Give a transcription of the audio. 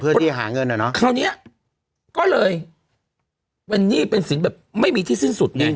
เพื่อที่จะหาเงินดีกว่านี้ก็เลยเป็นสินแต่ว่าไม่มีที่สิ้นสุด